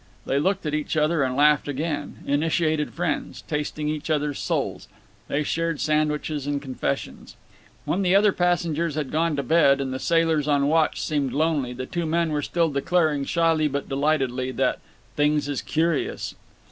They looked at each other and laughed again; initiated friends; tasting each other's souls. They shared sandwiches and confessions. When the other passengers had gone to bed and the sailors on watch seemed lonely the two men were still declaring, shyly but delightedly, that "things is curious."